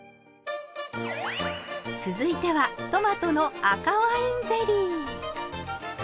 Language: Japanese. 続いてはトマトの赤ワインゼリー。